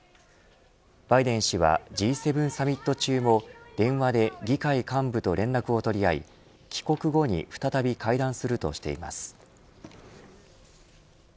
バイデン氏はＧ７サミット中も電話で議会幹部と連絡を取り合い帰国後に再び会談するとしています。